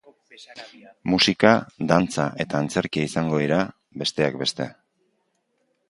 Musika, dantza eta antzerkia izango dira, besteak beste.